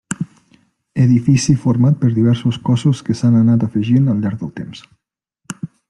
Edifici format per diversos cossos que s'han anat afegint al llarg del temps.